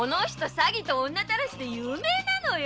詐欺と女たらしで有名なのよ。